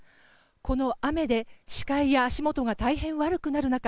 この雨で視界や足元が大変悪くなる中